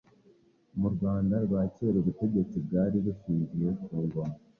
Mu Rwanda rwa kera ubutegetsi bwari bushingiye ku ngoma